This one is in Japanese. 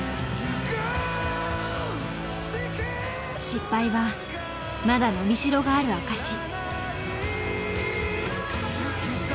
失敗はまだ伸びしろがある証し。